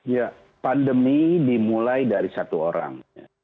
ya pandemi dimulai dari satu orang